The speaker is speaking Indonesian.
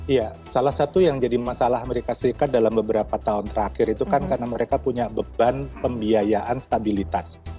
iya salah satu yang jadi masalah amerika serikat dalam beberapa tahun terakhir itu kan karena mereka punya beban pembiayaan stabilitas